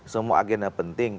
semua agenda penting